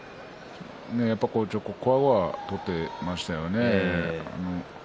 こわごわ取ってますよね。